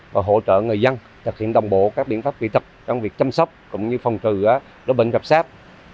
và hỗ trợ người dân thực hiện đồng bộ các biện pháp vị tập trong việc chăm sóc cũng như phòng trừ đối bệnh gặp sáp